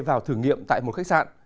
vào thử nghiệm tại một khách sạn